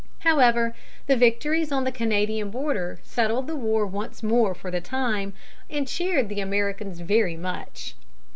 However, the victories on the Canadian border settled the war once more for the time, and cheered the Americans very much.